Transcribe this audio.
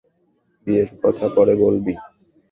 বিয়ের কথা পরে বলবি।